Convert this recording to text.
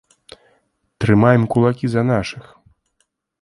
Трымаем кулакі за нашых!